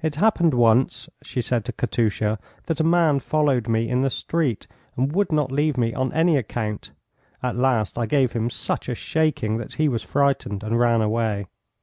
"It happened once," she said to Katusha, "that a man followed me in the street and would not leave me on any account. At last I gave him such a shaking that he was frightened and ran away."